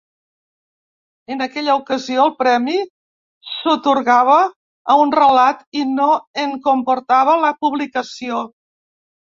En aquella ocasió, el premi s’atorgava a un relat i no en comportava la publicació.